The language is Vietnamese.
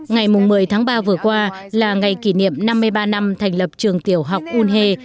ngày một mươi tháng ba vừa qua là ngày kỷ niệm năm mươi ba năm thành lập trường tiểu học un he